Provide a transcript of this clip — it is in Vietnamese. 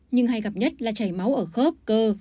nhưng hay gặp nhất là chảy máu ở khớp cơ